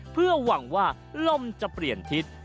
เพื่อหวังว่าลมจะเปลี่ยนทิศ